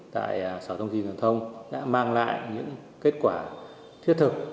tại sở thông tin truyền thông đã mang lại những kết quả thiết thực